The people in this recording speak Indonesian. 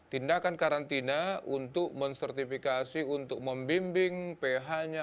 tindakan karantina untuk mensertifikasi untuk membimbing ph nya